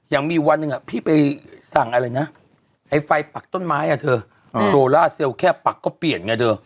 อย่างมีวันหนึ่งพี่ไปสั่งไฟปักต้นไม้โซล่าเซลแค่ปักก็เปลี่ยนไงเถอะ